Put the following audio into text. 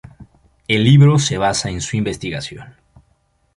El libro se basa en su investigación.